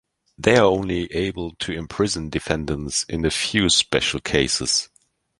They are only able to imprison defendants in a few special cases.